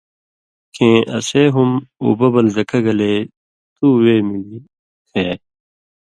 کھیں اسے ہم اُببل زکہ گلے تُو وے ملی کھیائ،